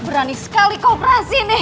berani sekali kau berhasil nih